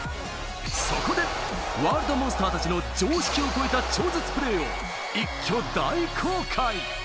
そこでワールドモンスターたちの常識を超えた超絶プレーを一挙大公開！